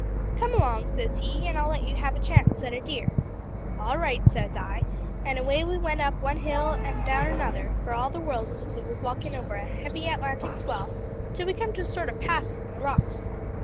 "`Come along,' says he, `an' I'll let you have a chance at a deer.' "`All right,' says I, an' away we went up one hill an' down another for all the world as if we was walkin' over a heavy Atlantic swell till we come to a sort o' pass among the rocks.